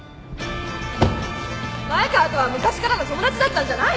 前川とは昔からの友達だったんじゃないの？